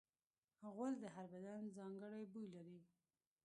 غول د هر بدن ځانګړی بوی لري.